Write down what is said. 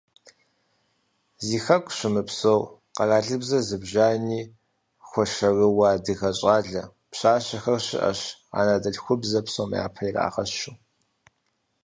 Зи Хэку щымыпсэу, къэралыбзэ зыбжанэми хуэшэрыуэ адыгэ щӀалэ, пщащэхэр щыӀэщ, анэдэлъхубзэр псом япэ ирагъэщу.